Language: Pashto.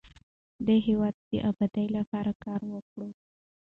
د هیواد د ابادۍ لپاره کار وکړو.